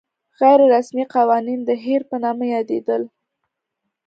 غیر رسمي قوانین د هیر په نامه یادېدل.